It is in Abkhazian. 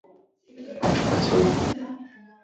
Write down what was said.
Аҽқәа цоит.